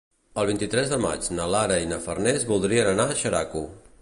El vint-i-tres de maig na Lara i na Farners voldrien anar a Xeraco.